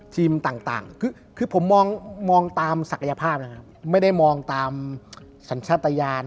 ทีมต่างต่างผมมองตามศักยภาพไม่ได้ตามสัญชาตญาน